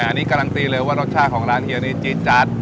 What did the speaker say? อันนี้การันตีเลยว่ารสชาติของร้านเฮียนี่จี๊จัด